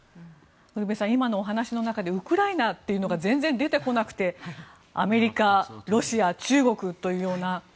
ウルヴェさん今のお話の中でウクライナというのが全然出てこなくてアメリカ、ロシア中国というような。